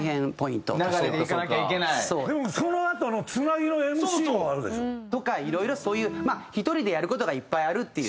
でもそのあとのつなぎのＭＣもあるでしょ？とかいろいろそういう１人でやる事がいっぱいあるっていう。